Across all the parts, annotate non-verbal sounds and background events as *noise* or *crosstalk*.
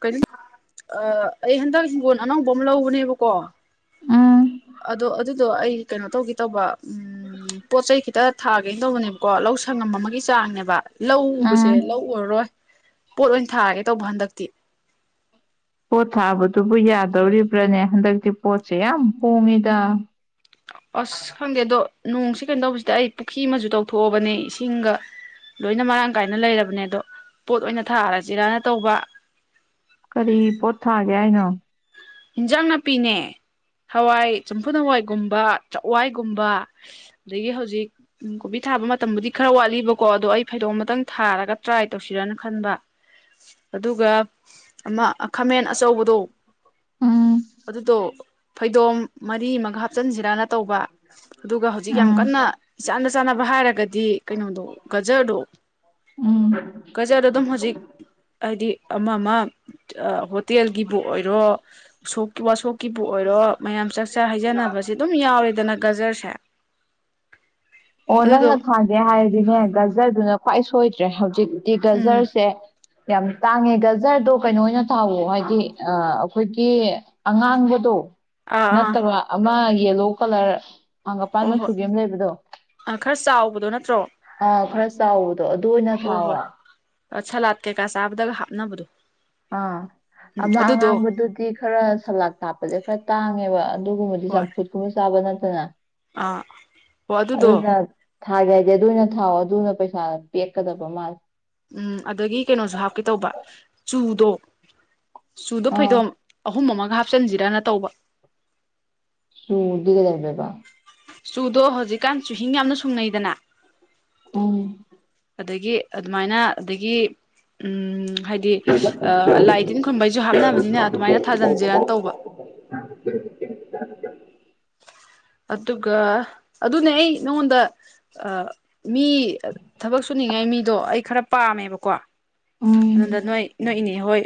ꯀꯩꯅꯣ ꯑꯩ ꯍꯟꯗꯛ ꯍꯤꯡꯒꯣꯜ ꯑꯅꯧꯕ ꯑꯃ ꯂꯧꯕꯅꯦꯕꯀꯣ ꯑꯥ ꯑꯗꯣ ꯑꯗꯨꯗꯣ ꯑꯩ ꯀꯩꯅꯣ ꯇꯧꯒꯦ ꯇꯧꯕ ꯎꯝ ꯄꯣꯆ ꯆꯩ ꯈꯈꯤꯇꯠ ꯊꯥꯒꯩꯅ ꯇꯧꯕꯅꯦꯕꯀꯣ ꯂꯧ ꯁꯪꯉꯝ ꯑꯃꯒꯤ ꯆꯥꯡꯅꯦꯕ ꯂꯧ ꯎꯕꯁꯦ ꯎꯝ ꯂꯧ ꯎꯔꯔꯣꯏ ꯄꯣꯠ ꯑꯣꯏꯅ ꯊꯥꯔꯒꯦ ꯇꯧꯕ ꯍꯟꯗꯛꯇꯤ ꯄꯣꯠ ꯊꯥꯕꯗꯨꯕꯨ ꯌꯥꯗꯧꯔꯤꯕ꯭ꯔꯥꯅꯦ ꯍꯟꯗꯛꯇꯤ ꯄꯣꯠꯁꯦ ꯌꯥꯝ ꯍꯣꯡꯉꯤꯗ ꯑꯁ ꯈꯪꯗꯦ ꯑꯗꯣ ꯅꯣꯡꯁꯤ ꯀꯩꯅꯣ ꯇꯧꯕꯁꯤꯗ ꯑꯩ ꯄꯨꯈ꯭ꯔꯤ ꯑꯃꯁꯨ ꯇꯧꯊꯣꯛꯑꯕꯅꯦ ꯏꯁꯤꯡꯒ ꯂꯣꯏꯅ ꯃꯔꯥꯡ ꯀꯥꯏꯅ ꯂꯩꯔꯕꯅꯦ ꯑꯗꯣ ꯄꯣꯠ ꯑꯣꯏꯅ ꯊꯥꯔꯖꯤꯔꯥꯅ ꯇꯧꯕ ꯀꯔꯤ ꯄꯣꯠ ꯊꯥꯒꯦ ꯍꯥꯏꯅ ꯍꯤꯟꯖꯥꯡ ꯅꯥꯄꯤꯅꯦ ꯍꯋꯥꯏ ꯆꯝꯐꯨ ꯍꯋꯥꯏꯒꯨꯝꯕ ꯆꯥꯛꯋꯥꯏꯒꯨꯝꯕ ꯑꯗꯒꯤ ꯍꯧꯖꯤꯛ ꯀꯣꯕꯤ ꯊꯥꯕ ꯃꯇꯝꯕꯨꯗꯤ ꯈꯔ ꯋꯥꯠꯂꯤꯕꯀꯣ ꯑꯗꯣ ꯑꯩ ꯐꯩꯗꯣꯝ ꯑꯃꯇꯪ ꯊꯥꯔꯒ ꯇ꯭ꯔꯥꯏ ꯇꯧꯁꯤꯔꯅ ꯈꯟꯕ ꯑꯗꯨꯒ ꯑꯃ ꯈꯥꯃꯦꯟ ꯑꯆꯧꯕꯗꯨꯣ ꯎꯝ ꯑꯗꯨꯗꯣ ꯐꯩꯗꯣꯝ ꯃꯔꯤ ꯃꯥꯒ ꯍꯥꯞꯆꯤꯟꯁꯤꯔꯅ ꯇꯧꯕ ꯑꯗꯨꯒ ꯍꯧꯖꯤꯛ ꯌꯥꯝ ꯎꯝ ꯀꯟꯅ ꯏꯆꯥꯟꯅ ꯆꯥꯟꯅꯕ ꯍꯥꯏꯔꯒꯗꯤ ꯀꯩꯅꯣꯗꯣ ꯒꯖꯔꯗꯣ ꯎꯝ ꯒꯖꯔꯗꯣ ꯑꯗꯨꯝ ꯍꯧꯖꯤꯛ ꯍꯥꯏꯗꯤ ꯑꯃꯃ ꯇꯦꯜꯒꯤꯕꯨ ꯑꯣꯏꯔꯣ ꯁꯣꯛꯀꯤꯕꯥ ꯁꯣꯛ ꯀꯤꯕꯨ ꯑꯣꯏꯔꯣ ꯃꯌꯥꯝ ꯆꯥꯛꯆꯥ ꯍꯩꯖꯅꯕꯁꯦ ꯑꯗꯨꯝ ꯌꯥꯎꯔꯦꯗꯅ ꯒꯖꯔꯁꯦ ꯑꯣ ꯑꯗꯨꯗꯣ ꯅꯪꯅ ꯊꯥꯒꯦ ꯍꯥꯏꯔꯗꯤꯅꯦ ꯒꯖꯔꯗꯨꯅ ꯈ꯭ꯋꯥꯏ ꯁꯣꯏꯗ꯭ꯔꯦ ꯍꯧꯖꯤꯛ ꯎꯝ ꯒꯥꯖꯔꯁꯦ ꯌꯥꯝ ꯇꯥꯡꯉꯦ ꯒꯖꯔꯗꯣ ꯀꯩꯅꯣ ꯑꯣꯏꯅ ꯊꯥꯎꯋ ꯍꯥꯏꯗꯤ ꯑꯩꯈꯣꯏꯒꯤ ꯑꯉꯥꯡꯕꯗꯣ ꯑꯥ ꯑꯥ ꯅꯠꯇꯕ ꯃꯥ ꯌꯦꯂꯣ ꯀꯂꯔ ꯑꯥꯡꯒꯄꯥꯟ ꯍꯣꯏ ꯍꯣꯏ ꯃꯆꯨꯒꯤ ꯑꯃ ꯂꯩꯕꯗꯣ ꯑ ꯈꯔ ꯆꯥꯎꯕꯗꯣ ꯅꯠꯇ꯭ꯔꯣ ꯑꯥ ꯈꯔ ꯆꯥꯎꯕꯗꯣ ꯑꯗꯨ ꯑꯣꯏꯅ ꯊꯥꯎꯕ ꯑ ꯁꯂꯥꯠ ꯀꯩꯀꯥ ꯆꯕꯗꯒ ꯍꯞꯅꯕꯗꯨ ꯑꯥ ꯑꯃ ꯑꯉꯥꯡꯕꯗꯨꯗꯤ ꯈꯔ ꯁꯂꯥꯗ ꯍꯥꯞꯄꯁꯦ ꯈꯔ ꯇꯥꯡꯉꯦꯕ ꯑꯗꯨꯒꯨꯝꯕꯗꯤ ꯆꯝꯐꯨꯠꯀꯨꯝꯕ ꯆꯥꯕ ꯅꯠꯇ ꯑ ꯑ ꯑꯗꯨꯗꯣ ꯊꯥꯒꯦ ꯍꯥꯏꯗꯤ ꯑꯗꯨꯅ ꯊꯥꯑꯣ ꯑꯗꯨꯅ ꯄꯩꯁꯥ ꯄꯦꯛꯀꯗꯕ ꯃꯥꯜꯂꯦ ꯎꯝ ꯑꯗꯒꯤ ꯀꯩꯅꯣꯁꯨ ꯍꯥꯞꯀꯦ ꯇꯧꯕ ꯆꯨꯗꯣ ꯆꯨꯗꯣ ꯑꯥ ꯐꯩꯗꯣꯝ ꯑꯍꯨꯝ ꯑꯃ ꯍꯥꯞꯆꯤꯟꯁꯤꯔꯅ ꯇꯧꯕ ꯆꯨꯗꯤ ꯀꯩꯗꯧ ꯗꯣꯏꯕ ꯆꯨꯗꯣ ꯍꯧꯖꯤꯛꯀꯥꯟ ꯆꯨꯍꯤꯡ ꯌꯥꯝꯅ ꯁꯨꯡꯅꯩꯗꯅ ꯑ ꯑꯗꯒꯤ ꯑꯗꯨꯃꯥꯏꯅ ꯑꯗꯒꯤ ꯎꯝ ꯍꯥꯏꯗꯤ ꯂꯥꯏ ꯇꯤꯟ ꯈꯨꯝꯕꯩꯁꯨ ꯍꯥꯞꯅꯕꯅꯤꯅ ꯑꯗꯨꯃꯥꯏꯅ ꯊꯥꯖꯤꯟꯁꯤꯔꯅ ꯇꯧꯕ ꯑꯗꯨꯒ ꯑꯗꯨꯅꯦ ꯑꯩ ꯅꯉꯣꯟꯗ ꯃꯤ ꯊꯕꯛ ꯁꯨꯅꯤꯡꯉꯥꯏ ꯃꯤꯗꯣ ꯑꯩ ꯈꯔ ꯄꯥꯝꯃꯦꯕꯀꯣ ꯎꯝ ꯑꯅꯗ ꯅꯣꯏ ꯅꯣꯏ ꯏꯅꯦ ꯍꯣꯏ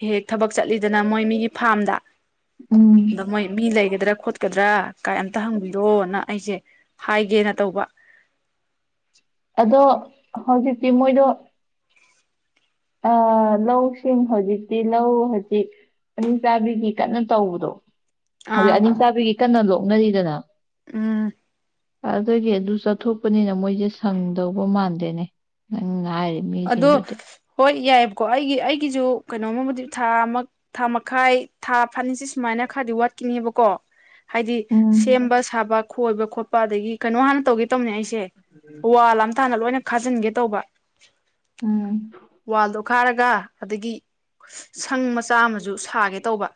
ꯍꯦꯛ ꯍꯦꯛ ꯊꯕꯛ ꯆꯠꯂꯤꯗꯅ ꯃꯣꯏ ꯃꯤꯒꯤ ꯐꯥꯔꯝꯗ ꯎꯝ ꯑꯗ ꯃꯣꯏ ꯃꯤ ꯂꯩꯒꯗ꯭ꯔꯥ ꯀꯗ꯭ꯔꯥꯛ ꯀꯩꯝꯇ ꯍꯪꯕꯤꯔꯣꯅ ꯑꯩꯁꯦ ꯍꯥꯏꯒꯦꯅ ꯇꯧꯕ ꯑꯗꯣ ꯍꯧꯖꯤꯛꯇꯤ ꯃꯣꯏꯗꯣ ꯑ ꯂꯧꯁꯤꯡ ꯍꯧꯖꯤꯛꯇꯤ ꯂꯧ ꯍꯧꯖꯤꯛ ꯑꯅꯤ ꯆꯥꯕꯤꯒꯤ ꯀꯟꯅ ꯇꯧꯕꯗꯣ ꯍꯧꯖꯤꯛ ꯑꯥ ꯑꯅꯤ ꯆꯥꯕꯤꯒꯤ ꯀꯟꯅ ꯂꯣꯛꯅꯔꯤꯗꯅ ꯎꯝ ꯑꯗꯨꯒꯤ ꯑꯗꯨ ꯆꯠꯊꯣꯛꯄꯅꯤꯅ ꯃꯣꯏꯁꯦ ꯁꯪꯗꯧꯕ ꯃꯥꯟꯗꯦꯅꯦꯪ ꯑꯗꯣ ꯍꯣꯏ ꯌꯥꯏ ꯀ ꯑꯩꯒꯤ ꯑꯩꯒꯤꯁꯨ ꯀꯩꯅꯣꯝꯃꯕꯨꯗꯤ ꯊꯥ ꯑꯃ ꯊꯥ ꯃꯈꯥꯏ ꯊꯥ ꯐꯅꯤꯁꯤꯦ ꯁꯨꯃꯥꯏꯅ ꯈꯔꯗꯤ ꯋꯥꯠꯈꯤꯅꯦꯕꯀꯣ ꯍꯥꯏꯗꯤ ꯎꯝ ꯁꯦꯝꯕ ꯁꯥꯕ ꯈꯣꯏꯕ ꯈꯣꯠꯄ ꯑꯗꯒꯤ ꯀꯩꯅꯣ ꯍꯥꯟꯅ ꯇꯧꯒꯦ ꯇꯧꯅꯤ ꯑꯩꯁꯦ ꯦ ꯋꯥꯂꯊꯅ ꯂꯣꯏꯅ ꯈꯥꯖꯤꯟꯒꯦ ꯇꯧꯕ ꯎꯝ ꯄꯈꯥꯏꯔꯒ ꯑꯗꯒꯤ ꯁꯪ ꯃꯆꯥ ꯑꯃꯁꯨ ꯁꯥꯒꯦ ꯇꯧꯕ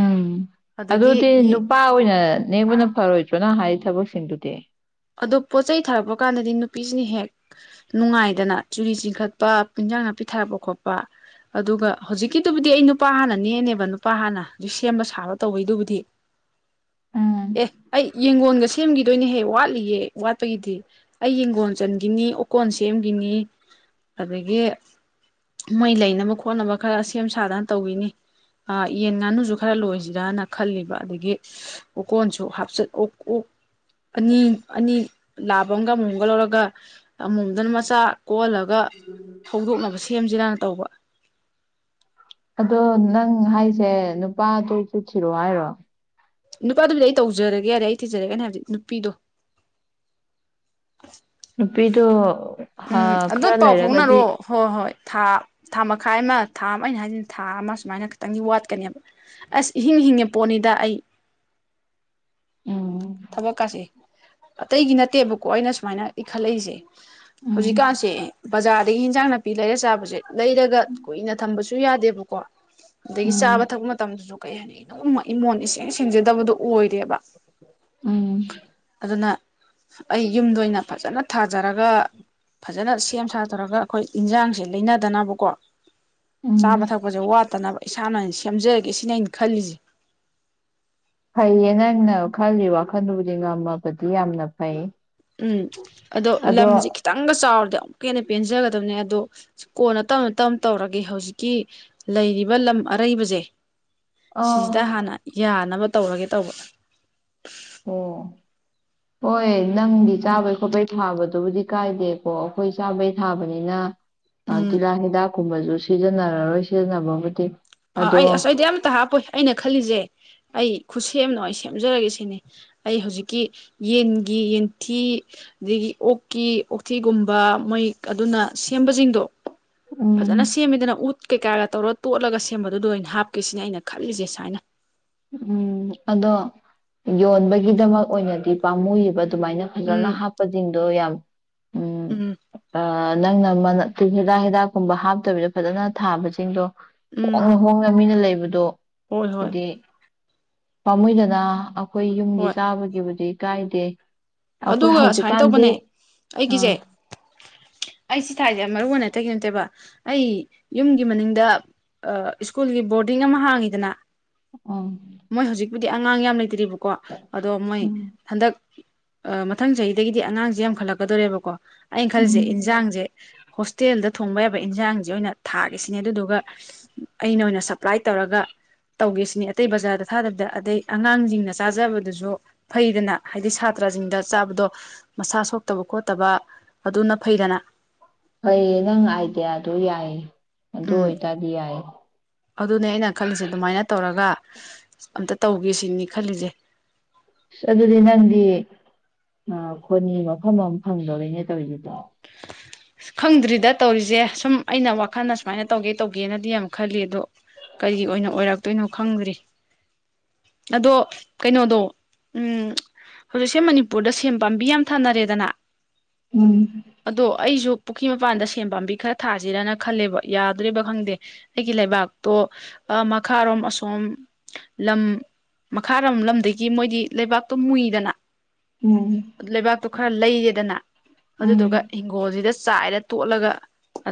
ꯎꯝ ꯑꯗꯒꯤ ꯑꯗꯨꯗꯤ ꯅꯨꯄꯥ ꯑꯣꯏꯅ ꯅꯕꯅ ꯐꯔꯣꯏ ꯅ ꯍꯥꯏ ꯊꯕꯛꯁꯤꯡꯗꯨꯗꯤ ꯑꯗꯣ ꯄꯣꯠ ꯆꯩꯩ ꯊꯥꯔꯛꯄ ꯀꯥꯟꯗꯗꯤ ꯅꯨꯄꯤꯁꯤꯅ ꯍꯦꯛ ꯅꯨꯡꯉꯥꯏꯗꯅ ꯆꯨꯔꯤ ꯆꯤꯡꯈꯠꯄ ꯏꯟꯖꯥꯡ ꯅꯥꯄꯤ ꯊꯥꯔꯛꯄ ꯈꯣꯠꯄ ꯑꯗꯨꯒ ꯍꯧꯖꯤꯛꯀꯤꯗꯨꯕꯨꯗꯤ ꯑꯩ ꯅꯨꯄꯥ ꯍꯥꯟꯅꯅꯦꯅꯦꯕ ꯅꯨꯄꯥ ꯍꯥꯟꯅ ꯍꯧꯖꯤꯛ ꯁꯦꯝꯕ ꯁꯥꯕ ꯇꯧꯕꯩꯗꯨꯕꯨꯗꯤ ꯎꯝ ꯑꯦ ꯑꯩ ꯌꯦꯡꯒꯣꯟꯒ ꯁꯦꯝꯈꯤꯗꯣꯏꯅꯦꯍꯦ ꯋꯥꯠꯂꯤ ꯋꯥꯠꯄꯒꯤꯗꯤ ꯑꯩ ꯌꯦꯡꯒꯣꯟ ꯆ ꯆꯟꯈꯤꯅꯤ ꯎꯀꯣꯟ ꯁꯦꯝꯈꯤꯅꯤ ꯑꯗꯒꯤ ꯃꯩ ꯂꯩꯅꯕ ꯈꯣꯠꯅꯕ ꯈꯔ ꯁꯦꯝ ꯁꯥꯗꯅ ꯇꯧꯈꯤꯅꯤ ꯌꯦꯟ ꯉꯥꯅꯨꯁꯨ ꯈꯔ ꯂꯣꯏꯁꯤꯔꯅ ꯈꯜꯂꯤꯕ ꯑꯗꯒꯤ ꯎꯀꯣꯟꯁꯨ ꯍꯥꯞꯆꯠ ꯑꯣꯛ ꯑꯣꯛ ꯑꯅꯤ ꯑꯅꯤ ꯂꯥꯕ ꯑꯃꯒ ꯑꯃꯨꯣꯝꯒ ꯂꯧꯔꯒ ꯑꯃꯨꯝꯗꯅ ꯃꯆꯥ ꯀꯣꯍꯜꯂꯒ ꯍꯧꯗꯣꯛꯅꯕ ꯁꯦꯝꯁꯤꯔꯅ ꯇꯧꯕ ꯑꯗꯣ ꯅꯪ ꯍꯥꯏꯁꯦ ꯅꯨꯄꯥꯗꯣ ꯆꯨꯠꯁꯤꯔꯣ ꯍꯥꯏꯔꯣ ꯅꯨꯄꯥꯗꯨꯕꯨꯗꯤ ꯑꯩ ꯇꯧꯖꯔꯒꯦ ꯌꯥꯔꯦ ꯑꯩ ꯊꯤꯖꯔꯒꯅꯤ ꯍꯥꯏꯕꯗꯤ ꯅꯨꯄꯤꯗꯣ ꯅꯨꯄꯤꯗꯣ ꯍꯥ ꯎꯝ ꯑꯗꯨ ꯈꯔ ꯄꯥꯎ ꯂꯩꯔꯒꯗꯤ ꯐꯥꯎꯅꯔꯣꯑꯣ ꯍꯣꯏ ꯍꯣꯏ ꯊꯥ ꯊꯥ ꯃꯈꯥꯏ ꯑꯃ ꯊꯥ ꯑꯃ ꯑꯩꯅ ꯍꯥꯏꯁꯤꯅ ꯊꯥ ꯑꯃ ꯁꯨꯃꯥꯏꯅ ꯈꯤꯇꯪꯗꯤ ꯋꯥꯠꯀꯅꯦꯕ ꯑꯁ ꯏꯍꯤꯡ ꯍꯤꯡꯉꯦ ꯄꯣꯠꯅꯤꯗ ꯑꯩ ꯎꯝ ꯊꯕꯛꯀꯥꯁꯦ ꯑꯇꯩꯒꯤ ꯅꯠꯇꯦꯕꯀꯣ ꯑꯩꯅ ꯁ ꯁꯨꯃꯥꯏꯅ ꯏꯈꯠꯂꯛꯏꯁꯦ ꯎꯝ ꯍꯧꯖꯤꯛꯀꯥꯟꯁꯦ ꯕꯖꯥꯔꯗꯒꯤ ꯍꯟꯖꯥꯡ ꯅꯥꯄꯤ ꯂꯩꯔꯦ ꯆꯥꯕꯁꯦ ꯂꯩꯔꯒ ꯀꯨꯏꯅ ꯊꯝꯕꯁꯨ ꯁꯨ ꯌꯥꯗꯦꯕꯀꯣ ꯑꯗꯒꯤ ꯎꯝ ꯆꯥꯕ ꯊꯛꯄ ꯃꯇꯝꯗꯁꯨ ꯀꯩ ꯍꯥꯏꯅꯤ ꯏꯃꯣꯟ ꯏꯁꯦꯡ ꯁꯦꯡꯖꯗꯕꯗꯣ ꯑꯣꯏꯔꯦꯕ ꯎꯝ ꯑꯗꯨꯅ ꯑꯩ ꯌꯨꯝꯗ ꯑꯣꯏꯅ ꯐꯖꯅ ꯊꯥꯖꯔꯒ ꯐꯖꯅ ꯁꯦꯝ ꯁꯥꯖꯔꯒ ꯑꯩꯈꯣꯏ ꯏꯟꯖꯥꯡꯁꯦ ꯂꯩꯅꯗꯅꯕꯀꯣ ꯎꯝ ꯆꯥꯕ ꯊꯛꯄꯁꯦ ꯋꯥꯠꯇꯅꯕ ꯏꯁꯥꯅ ꯑꯣꯏꯅ ꯁꯦꯝꯖꯔꯒꯦ ꯁꯤꯅꯦ ꯑꯩꯅ ꯈꯜꯂꯤꯁꯦ ꯐꯩꯌꯦ ꯅꯪꯅ ꯈꯜꯂꯤ ꯋꯥꯈꯜꯗꯨꯕꯨꯗꯤ ꯉꯝꯃꯕꯗꯤ ꯌꯥꯝꯅ ꯐꯩ ꯎꯝ ꯑꯗꯣ ꯂꯝꯁꯦ ꯈꯤꯇꯪꯒ ꯆꯥꯎꯔꯗꯤ ꯑꯃꯨꯛꯀ ꯍꯦꯟꯅ ꯄꯦꯟꯖꯒꯗ ꯗꯕꯅꯦ ꯑꯗꯣ ꯀꯣꯟꯅ ꯇꯞꯅ ꯇꯞꯅ ꯇꯧꯔꯒꯦ ꯍꯧꯖꯤꯛꯀꯤ ꯂꯩꯔꯤꯕ ꯂꯝ ꯑꯔꯩꯕꯁꯦ ꯑ ꯁꯤꯁꯤꯗ ꯑꯣ ꯍꯥꯟꯅ ꯌꯥꯅꯕ ꯇꯧꯔꯒꯦ ꯇꯧꯕ ꯑꯣ ꯍꯣꯏ ꯅꯪꯗꯤ ꯆꯥꯕꯩ ꯈꯣꯠꯄꯩ ꯊꯥꯕꯗꯨꯕꯨꯗꯤ ꯀꯥꯏꯗꯦꯀꯣ ꯑꯩꯈꯣꯏ ꯆꯥꯕꯩ ꯊꯥꯕꯅꯤꯅ ꯑ ꯎꯝ ꯇꯤꯜꯍꯥꯠ ꯍꯤꯗꯥꯛ ꯀꯨꯨꯝꯕꯁꯨ ꯁꯤꯖꯤꯟꯅꯔꯔꯣꯏ ꯁꯤꯖꯤꯟꯅꯕꯕꯨꯗꯤ ꯑꯥ ꯑꯗꯣ ꯑꯩ ꯑꯁ ꯑꯩꯗꯤ ꯑꯃꯇ ꯍꯥꯞꯄꯣꯏ ꯑꯩꯅ ꯈꯜꯂꯤꯁꯦ ꯑꯩ ꯈꯨ ꯁꯦꯝꯅ ꯑꯩ ꯁꯦꯝꯖꯔꯒꯦ ꯁꯤꯅꯤ ꯑꯩ ꯍꯧꯖꯤꯛꯀꯤ ꯌꯦꯟꯒꯤ ꯌꯦꯟꯊꯤ ꯑꯗꯒꯤ ꯑꯣꯛꯀꯤ ꯑꯣꯛꯊꯤꯒꯨꯝꯕ ꯃꯣꯏ ꯑꯗꯨꯅ ꯁꯦꯝꯕꯁꯤꯡꯗꯣ ꯎꯝ ꯐꯖꯅ ꯁꯦꯝꯃꯤꯗꯅ ꯎꯠ ꯀꯩꯀꯥꯒ ꯇꯧꯔꯒ ꯇꯣꯠꯂꯒ ꯑꯗꯨꯗ ꯑꯣꯏꯅ ꯍꯥꯞꯀꯁꯤꯅꯦ ꯑꯩꯅ ꯈꯜꯂꯤꯁꯦ ꯁꯨꯃꯥꯏꯅ ꯎꯝ ꯑꯗꯣ ꯌꯣꯟꯕꯒꯤꯗꯃꯛ ꯑꯣꯏꯅꯗꯤ ꯄꯥꯝꯃꯨꯕ ꯑꯗꯨꯃꯥꯏꯅ ꯐꯖꯅ ꯎꯝ ꯍꯥꯞꯄꯁꯤꯡꯗꯣ ꯌꯥꯝ ꯎ ꯎꯝ ꯅꯪꯅ ꯍꯤꯗꯥꯛ ꯍꯤꯗꯥꯛ ꯀꯨꯝꯕ ꯍꯥꯞꯇꯕꯤꯗ ꯐꯖꯅ ꯊꯥꯕꯁꯤꯡꯗꯣ ꯎꯝ ꯍꯣꯡꯅ ꯍꯣꯡꯅ ꯃꯤꯅ ꯂꯩꯕꯗꯣ ꯍꯣꯏ ꯍꯣꯏ ꯍꯥꯏꯗꯤ ꯄꯥꯝꯃꯨꯏꯗꯅ ꯑꯩꯈꯣꯏ ꯌꯨꯝꯒꯤ ꯍꯣꯏ ꯆꯥꯕꯒꯤꯕꯨꯗꯤ ꯀꯥꯏꯗꯦ ꯑꯩꯈꯣꯏ ꯑꯗꯨꯒ ꯁꯨꯃꯥꯏꯅ ꯍꯧꯖꯤꯛꯀꯥꯟꯗꯤ ꯇꯧꯕꯅꯦ ꯑꯩꯒꯤꯁꯦ ꯑꯥ ꯑꯩ ꯁꯤ ꯊꯥꯏꯖꯔ ꯃꯔꯨ ꯑꯣꯏꯅꯇꯩꯒꯤ ꯅꯣꯠꯇꯦꯕ ꯑꯩ ꯌꯨꯝꯒꯤ ꯃꯅꯤꯡꯗ ꯁ꯭ꯀꯨꯜꯒꯤ ꯕꯣꯔꯗꯤꯡ ꯑꯃ ꯍꯥꯡꯉꯤꯗꯅ ꯑ ꯗꯤ ꯑꯉꯥꯡ ꯌꯥꯝ ꯂꯩꯇ꯭ꯔꯤꯕꯣ ꯀꯣ ꯑꯗꯣ ꯃꯣꯏ ꯎꯝ ꯍꯟꯗꯛ ꯑ ꯃꯊꯪ ꯆꯍꯤꯗꯒꯤꯗꯤ ꯑꯉꯥꯡꯁꯦ ꯌꯥꯝꯈꯠꯂꯛꯀꯗꯣꯣꯔꯦꯕꯀꯣ ꯑꯩꯅ ꯈꯜꯁꯦ ꯎꯝ ꯌꯦꯟꯁꯥꯡꯁꯦ ꯍꯣꯁꯇꯦꯜꯗ ꯊꯣꯡꯕ ꯌꯥꯕ ꯏꯟꯁꯥꯡꯁꯦ ꯑꯣꯏꯅ ꯊꯥꯒꯁꯤꯅꯦ ꯑꯗꯨꯗꯨꯒ ꯑꯩꯅ ꯑꯣꯏꯅ ꯁꯄ꯭ꯂꯥꯏ ꯇꯧꯔꯒ ꯇꯧꯒꯦꯁꯤꯅꯦ ꯑꯇꯩ ꯕꯖꯥꯔꯗ ꯊꯥꯗꯕꯤꯗ ꯑꯗꯩ ꯑꯉꯥꯡꯁꯤꯡꯅ ꯆꯥꯖꯕꯗꯨꯁꯨ ꯐꯩꯗꯅ ꯍꯥꯏꯗꯤ ꯁꯥꯇ꯭ꯔꯥꯁꯤꯡꯗ ꯆꯥꯕꯗꯣ ꯃꯁꯥ ꯁꯣꯛꯇꯕ ꯈꯣꯠꯇꯕ ꯑꯗꯨꯅ ꯐꯩꯗꯅ ꯐꯩꯌꯦ ꯅꯪ ꯑꯥꯏꯗꯤꯌꯥꯗꯨ ꯌꯥꯏꯌꯦ ꯑꯗꯨꯗ ꯎꯝ ꯑꯣꯏꯇꯥꯗꯤ ꯌꯥꯏ ꯑꯗꯨꯅꯦ ꯑꯩꯅ ꯈꯜꯂꯤꯁꯦ ꯑꯗꯨꯃꯥꯏꯅ ꯇꯧꯔꯒ ꯑꯝꯇ ꯇꯧꯒꯦ ꯁꯤꯅꯤ ꯈꯜꯂꯤꯁꯦ ꯑꯁ ꯑꯗꯨꯗꯤ ꯅꯪꯗꯤ ꯈꯣꯅꯤ ꯃꯐꯝ ꯑꯃ ꯐꯪꯗꯣꯩꯅꯦ ꯇꯧꯔꯤꯔꯤꯕꯗꯣ ꯈꯪꯗ꯭ꯔꯤꯗ ꯇꯧꯔꯤꯁꯦ ꯁꯨꯝ ꯑꯩꯅ ꯋꯥꯈꯜꯅ ꯁꯨꯃꯥꯏꯅ ꯇꯧꯒꯦ ꯇꯧꯒꯦꯅꯗꯤ ꯌꯥꯝ ꯈꯜꯂꯤ ꯑꯗꯣ ꯀꯔꯤꯒꯤ ꯑꯣꯏꯅ ꯑꯣꯏꯔꯛꯇꯣꯏꯅꯣ ꯈꯪꯗ꯭ꯔꯤ ꯑꯗꯣ ꯀꯩꯅꯣꯗꯣ ꯎ ꯍꯧꯖꯤꯛꯁꯦ ꯃꯅꯤꯄꯨꯔꯗ ꯁꯦꯝ ꯄꯥꯝꯕꯤ ꯌꯥꯝ ꯊꯥꯅꯔꯦꯗꯅ ꯎꯝ ꯑꯗꯣ ꯑꯩꯁꯨ ꯄꯨꯈ꯭ꯔꯤ ꯃꯄꯥꯟꯗ ꯁꯦꯝ ꯄꯥꯝꯕꯤ ꯈꯔ ꯊꯥꯁꯤꯔꯅ ꯈꯜꯂꯦꯕ ꯌꯥꯗ꯭ꯔꯦꯕ ꯈꯪꯗꯦ ꯑꯩꯒꯤ ꯂꯩꯕꯥꯛꯇꯣ ꯃꯈꯥꯔꯣꯝ ꯑꯁꯣꯝ ꯂꯝ ꯃꯈꯥꯔꯣꯝ ꯂꯝꯗꯒꯤ ꯃꯣꯏꯗꯤ ꯂꯩꯕꯥꯛꯇꯣ ꯃꯨꯏꯗꯅ ꯎꯝ ꯂꯩꯕꯥꯛꯇꯨ ꯈꯔ ꯂꯩꯌꯦꯦꯗꯅ ꯎꯝ ꯑꯗꯨꯗꯨꯒ ꯣꯜꯁꯤꯗ ꯆꯥꯏꯔ ꯇꯣꯠꯂꯒ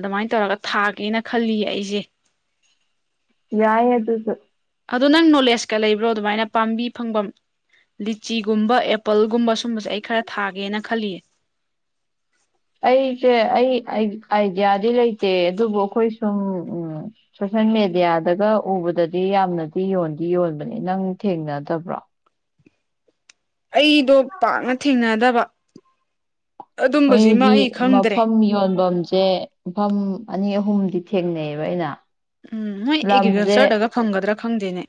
ꯑꯗꯨꯃꯥꯏꯅ ꯇꯧꯔꯒ ꯊꯥꯒꯦꯅ ꯈꯜꯂꯤꯌꯦ ꯑꯩꯁꯦ ꯌꯥꯏ ꯑꯗꯨꯁꯨ ꯑꯗꯣ ꯅꯪ ꯅꯣꯂꯦꯖꯀ ꯂꯩꯕ꯭ꯔꯣ ꯑꯗꯨꯃꯥꯏꯅ ꯄꯥꯝꯕꯤ ꯐꯪꯐꯝ ꯂꯤꯆꯤꯒꯨꯝꯕ ꯑꯦꯄꯜꯒꯨꯝꯕ ꯁꯨꯝꯕꯁꯦ ꯑꯩ ꯈꯔ ꯊꯥꯒꯦꯅ ꯈꯜꯂꯤꯌꯦ ꯑꯩꯁꯦ ꯑꯩ ꯑꯥꯏꯗꯤꯌꯥꯗꯤ ꯂꯩꯇꯦ ꯑꯗꯨꯕꯨ ꯑꯩꯈꯣꯏ ꯁꯨꯝ ꯎ ꯁꯣꯁꯦꯜ ꯃꯦꯗꯤꯌꯥꯗꯒ ꯎꯕꯗꯗꯤ ꯌꯥꯝꯅꯗꯤ ꯌꯣꯟꯗꯤ ꯌꯣꯟꯕꯅꯦ ꯅꯪ ꯊꯦꯡꯅꯗꯕ꯭ꯔꯣ ꯑꯩꯗꯣ ꯄꯥꯛꯅ ꯊꯦꯡꯅꯗꯕ ꯑꯗꯨꯝꯕꯁꯤꯃ ꯃꯣꯏꯒꯤ ꯑꯩ ꯈꯪꯗ꯭ꯔꯦ ꯃꯐꯝ ꯌꯣꯟꯐꯝꯁꯦ ꯃꯐꯝ ꯑꯅꯤ ꯑꯍꯨꯝ ꯑꯍꯨꯝꯗꯤ ꯊꯦꯡꯅꯩꯑꯕ ꯑꯩꯅ ꯎꯝ ꯅꯣꯏ ꯂꯝꯁꯦ ꯑꯦꯒ꯭ꯔꯤꯀꯜꯆꯔꯗꯒ ꯐꯪꯒꯗ꯭ꯔꯥ ꯈꯪꯗꯦꯅꯦ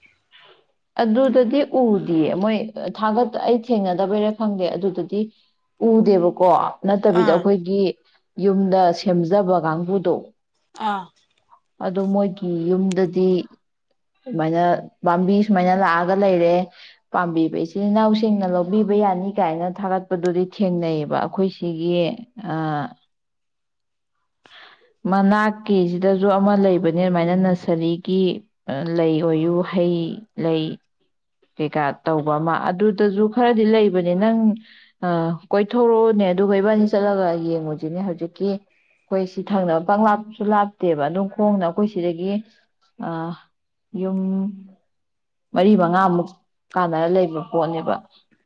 ꯑꯗꯨꯗꯗꯤ ꯎꯗꯤꯌꯦ ꯃꯣꯏ ꯊꯥꯒꯠ ꯑꯩ ꯊꯦꯡꯅꯗꯕꯩꯔꯥ ꯈꯪꯗꯦ ꯑꯗꯨꯗꯗꯤ ꯎꯗꯦꯕꯀꯣ ꯅꯠꯇꯕꯤꯗ ꯑꯥ ꯑꯩꯈꯣꯏꯒꯤ ꯌꯨꯝꯗ ꯁꯦꯝꯖꯕ ꯀꯥꯡꯕꯨꯗꯣ ꯑꯥ ꯑꯗꯨ ꯃꯣꯏꯒꯤ ꯌꯨꯝꯗꯗꯤ ꯑꯗꯨꯃꯥꯏꯅ ꯄꯥꯝꯕꯤ ꯁꯨꯃꯥꯏꯅ ꯂꯥꯛꯑꯒ ꯂꯩꯔꯦ ꯄꯥꯝꯕꯤ ꯏꯆꯤꯜ ꯏꯅꯥꯎꯁꯤꯡꯅ ꯂꯧꯕꯤꯕ ꯌꯥꯅꯤ ꯀꯥꯏꯅ ꯊꯥꯒꯠꯄꯗꯨꯗꯤ ꯊꯦꯡꯅꯩꯑꯕ ꯑꯩꯈꯣꯏ ꯁꯤꯒꯤ ꯑ ꯃꯅꯥꯛꯀꯤꯁꯤꯗꯁꯨ ꯑꯃ ꯂꯩꯕꯅꯦ ꯑꯗꯨꯃꯥꯏꯅ ꯅꯁꯔꯤꯒꯤ ꯂꯩ ꯑꯣꯏꯌꯨ ꯍꯩ ꯂꯩ ꯀꯩꯀꯥ ꯇꯧꯕ ꯑꯃ ꯑꯗꯨꯗꯁꯨ ꯈꯔꯗꯤ ꯂꯩꯕꯅꯦ ꯅꯪ ꯀꯣꯏꯊꯣꯔꯛꯎꯅꯦ ꯑꯗꯨꯒ ꯏꯕꯥꯅꯤ ꯆꯠꯂꯒ ꯌꯦꯡꯉꯨꯁꯤꯅꯦ ꯍꯧꯖꯤꯛꯀꯤ ꯑꯩꯈꯣꯏ ꯁꯤ ꯊꯪꯅꯕ ꯄꯪꯂꯥꯞꯁꯨ ꯂꯥꯞꯇꯦꯕ ꯑꯗꯨꯝ ꯈꯣꯡꯅ ꯑꯩꯈꯣꯏ ꯁꯤꯗꯒꯤ ꯌꯨꯝ ꯃꯔꯤ ꯃꯉꯥꯃꯨꯛ ꯀꯥꯟꯅꯔ ꯂꯩꯕ ꯄꯣꯠꯅꯦꯕ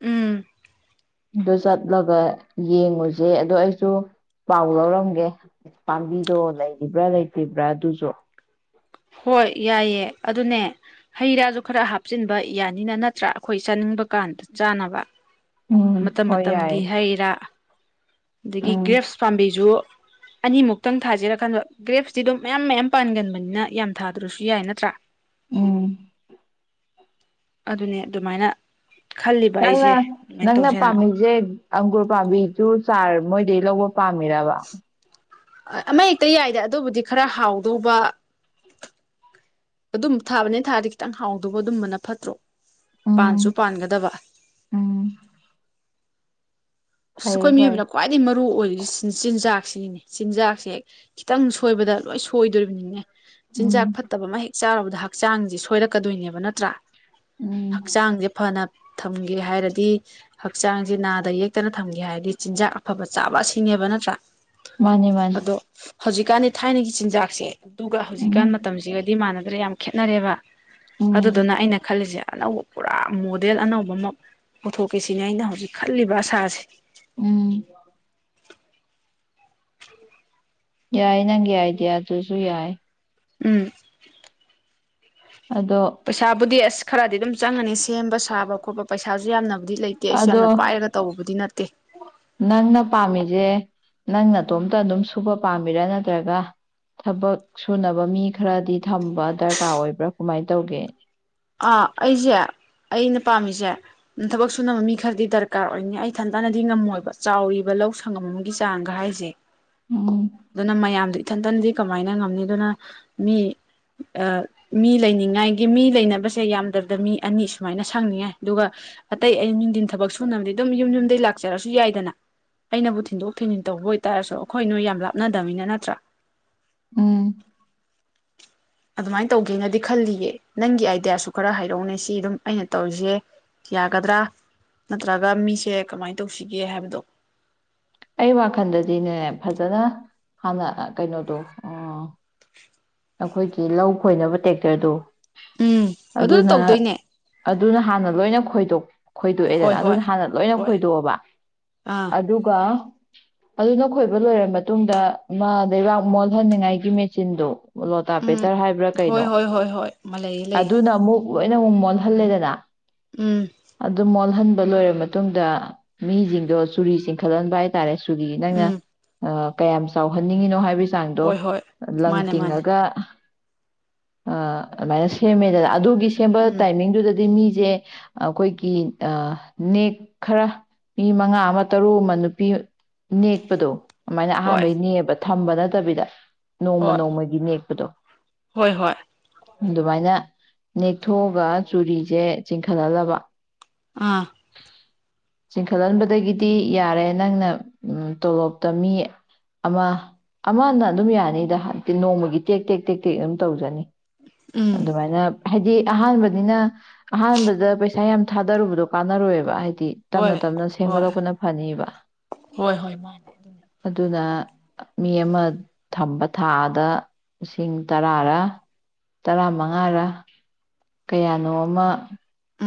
ꯎꯝ ꯗꯣꯁꯠ ꯂꯧꯥꯏ ꯌꯦꯡꯉꯨꯁꯦ ꯑꯗꯣ ꯑꯩꯁꯨ ꯄꯥꯎ ꯂꯧꯔꯝꯒꯦ ꯄꯥꯝꯕꯤꯗꯣ ꯂꯩꯔꯤꯕ꯭ꯔꯥ ꯂꯩꯇ꯭ꯔꯤꯕ꯭ꯔꯥ ꯑꯗꯨꯁꯨ ꯍꯣꯏ ꯌꯥꯏꯌꯦ ꯑꯗꯨꯅꯦ ꯍꯩ ꯔꯥꯁꯨ ꯈꯔ ꯍꯥꯞꯆꯤꯟꯕ ꯌꯥꯅꯤꯅ ꯅꯠꯇ꯭ꯔꯥ ꯑꯩꯈꯣꯏ ꯆꯥꯅꯤꯡꯕ ꯀꯥꯟꯗ ꯆꯥꯅꯕ ꯎꯝ ꯃꯇꯝ ꯍꯣꯏ ꯌꯥꯏ ꯃꯇꯝꯒꯤ ꯍꯩ ꯔꯥ ꯑꯗꯒꯤ ꯎꯝ ꯒ꯭ꯔꯦꯞꯁ ꯄꯥꯝꯕꯤꯁꯨ ꯑꯅꯤꯃꯨꯛꯇꯪ ꯊꯥꯖꯔꯀꯟꯗ ꯒ꯭ꯔꯦꯞꯇꯤ ꯑꯗꯨꯝ ꯃꯌꯥꯝ ꯃꯌꯥꯝ ꯄꯥꯟꯒꯟꯕꯅꯤꯅ ꯌꯥꯝ ꯊꯥꯗ꯭ꯔꯁꯨ ꯌꯥꯏ ꯅꯠꯇ꯭ꯔꯥ ꯎꯝ ꯑꯗꯨꯅꯦ ꯑꯗꯨꯃꯥꯏꯅ ꯈꯜꯂꯤꯕ ꯑꯩꯁꯦ ꯅꯪꯅ ꯑꯗꯨꯃꯥꯏꯅ ꯅꯪꯅ ꯇꯧꯁꯦꯅ ꯄꯥꯝꯕꯤꯁꯦ ꯑꯪꯒꯨꯔ ꯄꯥꯝꯕꯤ ꯖꯨꯁ ꯁꯔ ꯃꯣꯏ ꯗꯩ ꯂꯣ ꯄꯥꯝꯃꯤꯔꯕ ꯑꯃ ꯍꯦꯛꯇ ꯌꯥꯏꯗꯦ ꯑꯗꯨꯕꯨꯗꯤ ꯈꯔ ꯍꯥꯎꯗꯧꯕ ꯑꯗꯨꯝ ꯊꯥꯕꯅꯤꯅ ꯊꯥꯔꯗꯤ ꯈꯤꯇꯪ ꯍꯥꯎꯗꯧꯕ ꯑꯗꯨꯝꯕꯅ ꯐꯠꯇ꯭ꯔꯣ ꯄꯥꯟꯁꯨ ꯎꯝ ꯄꯥꯟꯒꯗꯕ ꯎꯝ ꯑ ꯐꯩꯌꯦ ꯑꯩꯈꯣꯏ ꯐꯩ ꯃꯤꯑꯣꯏꯕꯅ ꯈ꯭ꯋꯥꯏꯗꯒꯤ ꯃꯔꯨ ꯑꯣꯏꯔꯤ ꯆꯤꯟꯖꯥꯛ ꯁꯤꯅꯦ ꯆꯤꯟꯖꯥꯛꯁꯦ ꯈꯤꯇꯪ ꯁꯣꯏꯕꯗ ꯂꯣꯏ ꯁꯣꯏꯗꯣꯔꯤꯕꯅꯤꯅꯦ ꯎꯝ ꯆꯤꯟꯖꯥꯛ ꯐꯠꯇꯕ ꯑꯃ ꯍꯦꯛ ꯆꯥꯔꯕꯗ ꯍꯥꯄ ꯛ ꯆꯥꯡꯁꯦ ꯁꯣꯏꯔꯛꯀꯗꯣꯏꯅꯦꯕ ꯅꯠꯇ꯭ꯔꯥ ꯎꯝ ꯍꯛꯆꯥꯡꯁꯦ ꯐꯅ ꯊꯝꯒꯦ ꯍꯥꯏꯔꯗꯤ ꯍꯛꯆꯥꯡꯁꯦ ꯅꯥꯗ ꯌꯦꯛ ꯈꯛꯇꯅ ꯊꯝꯒꯦ ꯍꯥꯏꯔꯗꯤ ꯆꯤꯟꯖꯥꯛ ꯑꯐꯕ ꯆꯥꯕ ꯑꯁꯤꯅꯦꯕ ꯅꯠꯇ꯭ꯔꯥ ꯃꯥꯅꯦ ꯃꯥꯅꯤ ꯑꯗꯣ ꯍꯧꯖꯤꯛꯀꯥꯟꯗꯤ ꯊꯥꯏꯅꯒꯤ ꯆꯤꯟꯖꯥꯛꯁꯦ ꯑꯗꯨꯒ ꯎꯝ ꯍꯧꯖꯤꯛꯀꯥꯟ ꯃꯇꯝꯁꯤꯒꯗꯤ ꯃ ꯃꯥꯥꯟꯅꯗ ꯑꯗꯨꯗ ꯌꯥꯝ ꯈꯦꯠꯅꯔꯦꯕ ꯎꯝ ꯑꯗꯨꯗꯨꯅ ꯑꯩꯅ ꯈꯜꯂꯤꯁꯦ ꯑꯅꯧꯕ ꯄꯨꯔꯥ ꯃꯣꯗꯦꯜ ꯑꯅꯧꯕ ꯑꯃ ꯄꯨꯊꯣꯛꯀꯦ ꯁꯤꯅꯦ ꯑꯩꯅ ꯍꯧꯖꯤꯛ ꯈꯜꯂꯤꯕ ꯑꯁꯥ *inaudible* ꯎꯝ ꯌꯥꯏ ꯅꯪꯒꯤ ꯑꯥꯏꯗꯤꯌꯥꯗꯨꯁꯨ ꯌꯥꯏ ꯎꯝ ꯑꯗꯣ ꯄꯩꯁꯥꯕꯨꯗꯤ ꯑꯁ ꯈꯔꯗꯤ ꯑꯗꯨꯝ ꯆꯪꯉꯅꯤ ꯁꯦꯝꯕ ꯁꯥꯕ ꯈꯣꯠꯄ ꯄꯩꯁꯥ ꯏꯁꯥꯁꯦ ꯌꯥꯝꯅ ꯕꯨꯗꯤ ꯂꯩꯇꯦ ꯑꯩꯁꯨ ꯑꯗꯣ ꯌꯥꯝꯅ ꯄꯥꯏꯔꯒ ꯇꯧꯕꯕꯨꯗꯤ ꯅꯠꯇꯦ *inaudible* ꯅꯪꯅ ꯄꯥꯝꯃꯤꯁꯦ ꯅꯪꯅ ꯑꯇꯣꯝꯇ ꯑꯗꯨꯝ ꯁꯨꯕ ꯄꯥꯝꯃꯤꯔꯥ ꯅꯠꯇ꯭ꯔꯒ ꯊꯕꯛ ꯁꯨꯅꯕ ꯃꯤ ꯈꯔꯗꯤ ꯊꯝꯕ ꯗꯔꯀꯥꯔ ꯑꯣꯏꯕ꯭ꯔꯥ ꯀꯃꯥꯏꯅ ꯇꯧꯒꯦ ꯑꯥ ꯑꯩꯁꯦ ꯑꯩꯅ ꯄꯥꯝꯃꯤꯁꯦ ꯊꯕꯛ ꯁꯨꯅꯕ ꯃꯤ ꯈꯔꯗꯤ ꯗꯔꯀꯥꯔ ꯑꯣꯏꯅꯤ ꯑꯩ ꯊꯟꯇꯥꯅꯗꯤ ꯉꯝꯃꯣꯏꯕ ꯆꯥꯎꯔꯤꯕ ꯂꯧ ꯁꯪꯉꯝ ꯑꯃꯒꯤ ꯆꯥꯡꯒ ꯍꯥꯏꯁꯦ ꯎꯝ ꯑꯗꯨꯅ ꯃꯌꯥꯝꯗꯤ ꯏꯊꯟꯇꯟꯗꯤ ꯀꯃꯥꯏꯅ ꯉꯝꯅꯤ ꯑꯗꯨꯅ ꯃꯤ ꯃꯤ ꯂꯩꯅꯤꯡꯉꯥꯏꯒꯤ ꯃꯤ ꯂꯩꯅꯕ ꯁꯦ ꯌꯥꯝꯗꯕꯗ ꯃꯤ ꯑꯅꯤ ꯁꯨꯃꯥꯏꯅ ꯁꯪꯅꯤꯡꯉꯥꯏ ꯑꯗꯨꯒ ꯑꯇꯩ ꯑ ꯅꯨꯡꯊꯤꯟ ꯊꯕꯛ ꯁꯨꯅꯕꯗꯤ ꯑꯗꯨꯝ ꯌꯨꯝ ꯌꯨꯝꯗꯒꯤꯩ ꯂꯥꯛꯆꯔꯁꯨ ꯌꯥꯏꯗꯅ ꯑꯩꯅꯕꯨ ꯊꯤꯟꯗꯣꯛ ꯊꯤꯟꯖꯤꯟ ꯇꯧꯕ ꯑꯣꯏꯇꯥꯔꯁꯨ ꯑꯩꯈꯣꯏ ꯅꯣꯏ ꯌꯥꯝ ꯂꯥꯞꯅꯗꯕꯃꯤꯅ ꯅꯠꯇ꯭ꯔꯥ ꯎꯝ ꯑꯗꯨꯃꯥꯏꯅ ꯇꯧꯒꯦꯅꯗꯤ ꯈꯜꯂꯤꯌꯦ ꯅꯪꯒꯤ ꯑꯥꯏꯗꯤꯌꯥꯁꯨ ꯈꯔ ꯍꯥꯏꯔꯛꯅꯦ ꯁꯤ ꯑꯗꯨꯝ ꯑꯩꯅ ꯇꯧꯔꯤꯁꯦ ꯌꯥꯒꯗ꯭ꯔꯥ ꯅꯠꯇ꯭ꯔꯒ ꯃꯤꯁꯦ ꯀꯃꯥꯏꯅ ꯇꯧꯁꯤꯒꯦ ꯍꯥꯏꯕꯗꯣ ꯑꯩ ꯋꯥꯈꯜꯗꯗꯤꯅꯦ ꯐꯖꯅ ꯍꯥꯟꯅ ꯀꯩꯅꯣꯗꯣ ꯑꯣ ꯑꯩꯈꯣꯏꯒꯤ ꯂꯧ ꯈꯣꯏꯅꯕ ꯇ꯭ꯔꯦꯛꯇꯔꯗꯨ ꯎꯝ ꯑꯗꯨꯅ ꯇꯧꯗꯣꯏꯅꯦ ꯑꯗꯨꯅ ꯍꯥꯟꯅ ꯂꯣꯏꯅ ꯈꯣꯏꯗꯣꯛ ꯍꯣꯏ ꯈꯣꯏꯗꯣꯛꯑꯦꯗꯅ ꯍꯣꯏ ꯑꯗꯨꯅ ꯍꯥꯟꯅ ꯂꯣꯏꯅ ꯍꯣꯏ ꯈꯣꯏꯗꯣꯛꯑꯕ ꯑꯥ ꯑꯗꯨꯒ ꯑꯗꯨ ꯅꯈꯣꯏꯕ ꯂꯣꯏꯔ ꯃꯇꯨꯡꯗ ꯃꯥ ꯂꯩꯩꯕꯥꯛ ꯃꯣꯜꯍꯟꯅꯤꯡꯉꯥꯏꯒꯤ ꯃꯦꯆꯤꯟꯗꯣ ꯎꯝ ꯂꯣꯇꯥꯄꯦꯇꯔ ꯍꯥꯏꯕ꯭ꯔꯥ ꯍꯣꯏ ꯀꯩꯅꯣ ꯍꯣꯏ ꯍꯣꯏ ꯍꯣꯏ ꯂꯩꯌꯦ ꯂꯩꯌꯦ ꯑꯗꯨꯅ ꯑꯃꯨꯛ ꯂꯣꯏꯅ ꯑꯃꯨꯛ ꯃ ꯊꯝꯅꯦ ꯗꯗꯥ ꯎꯝ ꯑꯗꯨꯗ ꯃꯜ ꯑꯍꯟꯕ ꯂꯣꯏꯔꯕ ꯃꯇꯨꯡꯗ ꯃꯤꯁꯤꯡꯗꯣ ꯆꯨꯔꯤ ꯆꯤꯡꯈꯠꯍꯟꯕ ꯍꯥꯏ ꯆꯔꯦ ꯔꯤ ꯅꯪꯅ ꯎꯝ ꯑ ꯀꯌꯥꯝ ꯆꯥꯎꯍꯟꯅꯤꯡꯉꯤꯅꯣ ꯍꯥꯏꯕꯁꯤ ꯍꯣꯏ ꯍꯛꯆꯥꯡꯗꯣ ꯍꯣꯏ ꯂꯪ ꯃꯥꯅꯦ ꯃꯥꯅꯦ ꯇꯤꯡꯉꯒ ꯑ ꯑꯗꯨꯃꯥꯏꯅ ꯁꯦꯝꯃꯦꯗ ꯑꯗꯨꯒꯤ ꯁꯦꯝꯕ ꯎꯝ ꯇꯥꯏꯃꯤꯡꯗꯨꯗꯗꯤ ꯃꯤ ꯁꯦ ꯑꯩꯈꯣꯏꯒꯤ ꯅꯦꯛ ꯈꯔ ꯃꯤ ꯃꯉꯥ ꯑꯃ ꯇꯔꯨꯛ ꯑꯃ ꯅꯨꯄꯤ ꯅꯦꯛꯄꯗꯣ ꯑꯗꯨꯃꯥꯏꯅ ꯍꯣꯏ ꯑꯍꯥꯟꯕꯩꯅꯦꯕ ꯊꯝꯕ ꯅꯠꯇꯕꯤꯗ ꯅꯣꯡꯃ ꯍꯣꯏ ꯅꯣꯡꯃꯒꯤ ꯅꯦꯛꯄꯗꯣ ꯍꯣꯏ ꯍꯣꯏ ꯑꯗꯨꯃꯥꯏꯅ ꯅꯦꯛꯊꯣꯛꯑꯒ ꯆꯨꯔꯤꯁꯦ ꯆꯤꯡꯈꯠꯍꯜꯂꯕ ꯑꯥ ꯆꯤꯡꯈꯠꯍꯟꯕꯗꯒꯤꯗꯤ ꯌꯥꯔꯦ ꯅꯪꯅ ꯇꯣꯂꯣꯞꯇ ꯃꯤ ꯑꯃ ꯑꯃꯅ ꯑꯗꯨꯝ ꯌꯥꯅꯤꯗ ꯅꯣꯡꯃꯒꯤ ꯇꯦꯛ ꯇꯦꯛ ꯇꯦꯛ ꯇꯦꯛ ꯑꯗꯨꯝ ꯇꯧꯖꯅꯤ ꯎꯝ ꯑꯗꯨꯃꯥꯏꯅ ꯍꯥꯏꯗꯤ ꯑꯍꯥꯟꯕꯅꯤꯅ ꯑꯍꯥꯟꯕꯗ ꯄꯩꯁꯥ ꯌꯥꯝ ꯊꯥꯗꯔꯨꯕꯗꯣ ꯀꯥꯟꯅꯔꯣꯏꯦꯕ ꯍꯥꯏꯗꯤ ꯍꯣꯏ ꯍꯣꯏ ꯁꯦꯝꯒꯠꯂꯛꯄ ꯐ ꯍꯣꯏ ꯍꯣꯏ ꯃꯥꯅꯦ ꯑꯗꯨꯅ ꯃꯤ ꯑꯃ ꯊꯝꯕ ꯊꯥꯗ ꯂꯤꯁꯤꯡ ꯇꯔꯥꯔ ꯇꯔꯥꯃꯉꯥꯔ ꯀꯌꯥꯅꯣ ꯑꯃ ꯎꯝ